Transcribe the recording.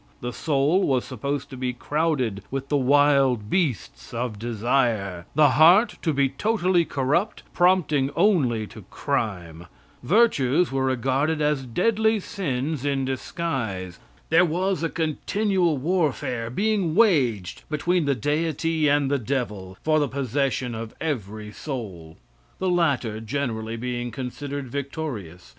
The soul was supposed to be crowded with the wild beasts of desire; the heart to be totally corrupt, prompting only to crime; virtues were regarded as deadly sins in disguise; there was a continual warfare being waged between the Deity and the devil for the possession of every soul, the latter generally being considered victorious.